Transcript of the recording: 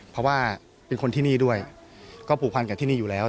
เพราะว่าเป็นคนที่นี่ด้วยก็ผูกพันกับที่นี่อยู่แล้ว